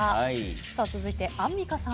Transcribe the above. さあ続いてアンミカさん。